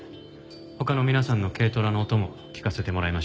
他の皆さんの軽トラの音も聞かせてもらいました。